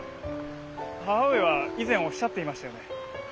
母上は以前おっしゃっていましたよね。